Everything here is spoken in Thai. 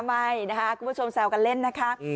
ไม่นะคะคุณผู้ชมแซวกันเล่นนะคะ